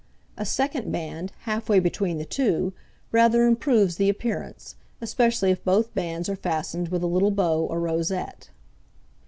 A second band, halfway between the two, rather improves the appearance, especially if both bands are fastened with a little bow or rosette.